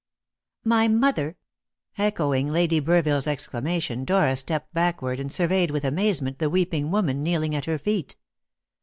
"My mother!" Echoing Lady Burville's exclamation, Dora stepped backward and surveyed with amazement the weeping woman kneeling at her feet.